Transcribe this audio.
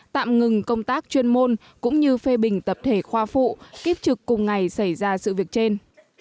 tạm ngừng công tác chuyên môn cũng như phê bình tập thể khoa phụ kiếp trực cùng ngày xảy ra sự việc trên